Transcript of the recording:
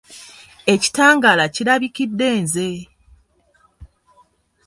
Ekitangaala kirabikidde nze.